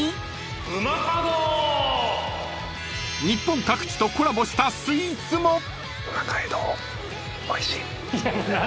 ［日本各地とコラボしたスイーツも］